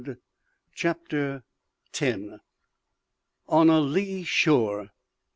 CHAPTER TEN. ON A LEE SHORE.